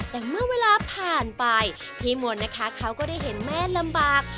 แต่เมื่อเวลาผ่านไปพี่มวลนะคะเขาก็ได้เห็นแม่ลำบาก